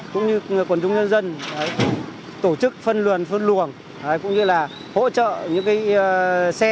cũng như quần chúng nhân dân tổ chức phân luồng cũng như là hỗ trợ những cái xe